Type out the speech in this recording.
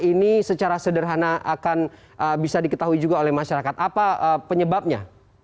ini secara sederhana akan bisa diketahui juga oleh masyarakat apa penyebabnya